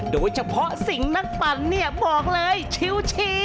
โดยเฉพาะสิ่งนักปั่นเนี่ยบอกเลยชิว